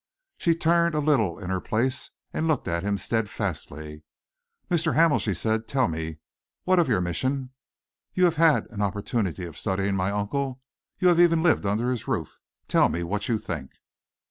She turned a little in her place and looked at him steadfastly. "Mr. Hamel," she said, "tell me what of your mission? You have had an opportunity of studying my uncle. You have even lived under his roof. Tell me what you think."